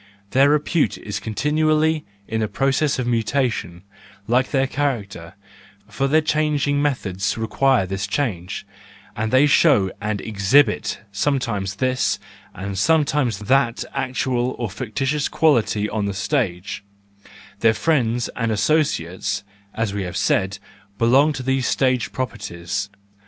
Their repute is continually in process of mutation, like their character, for their changing methods require this change, and they show and exhibit sometimes this and sometimes that actual or fictitious quality on the stage; their friends and associates, as we have said, belong to these stage properties.